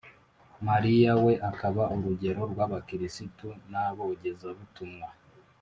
mariya, we akaba n’urugero rw’abakristu n’abogezabutumwa